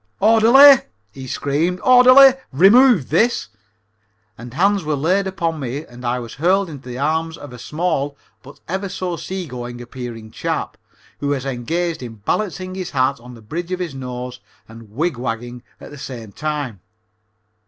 "Orderly," he screamed. "Orderly, remove this." And hands were laid upon me and I was hurled into the arms of a small, but ever so sea going appearing chap, who was engaged in balancing his hat on the bridge of his nose and wig wagging at the same time.